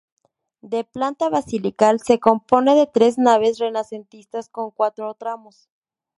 De planta basilical, se compone de tres naves renacentistas con cuatro tramos.